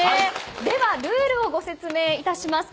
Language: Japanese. では、ルールをご説明いたします。